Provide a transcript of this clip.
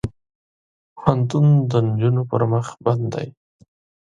پوهنتون د نجونو پر مخ بند دی.